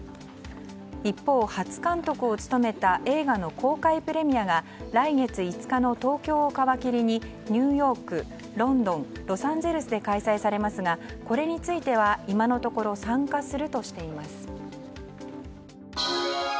一方、初監督を務めた映画の公開プレミアが来月５日の東京を皮切りにニューヨークロンドン、ロサンゼルスで開催されますが、これについては今のところ参加するとしています。